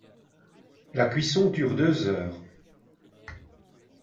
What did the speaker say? La cuisson dure deux heures.